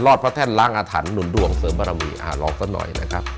รอดพระแท่นรังอฐานหนุนดวงเสริมบารมีอ่ารอกสักหน่อยนะครับ